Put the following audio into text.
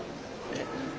えっ！